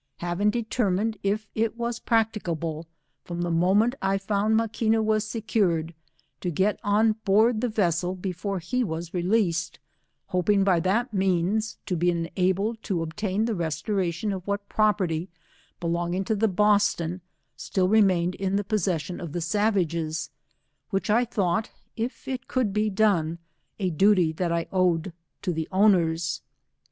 having determined if it was practicable, from the moment I found Mai|uina Was secured, to get on bbird the vessel before be was released, hoping by that means, to be enabled to obtain the restoration of what property, belonging to the Boston, Mill reme^ined in the possession of the savages, which I thought, if it could be done, a duty that I owed to ti^ owners.